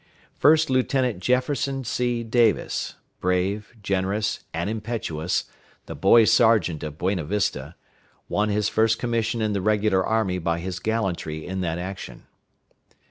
First Lieutenant Jefferson C. Davis, brave, generous, and impetuous the boy sergeant of Buena Vista won his first commission in the regular army by his gallantry in that action.